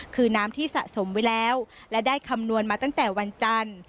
คือน้ำที่สะสมไว้แล้วและได้คำนวณมาตั้งแต่วันจันทร์